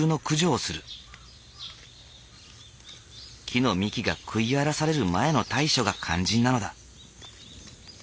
木の幹が食い荒らされる前の対処が肝心なのだ。